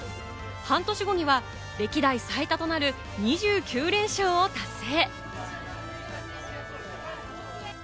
半年後には歴代最多となる２９連勝を達成。